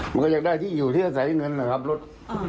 มันก็อยากได้ที่อยู่ที่อาศัยเงินนะครับรถ